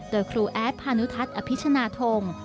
โดยครูแอดพานุทัศน์อภิชนาธง